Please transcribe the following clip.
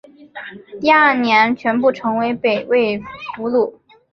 第二年全部成为北魏俘虏。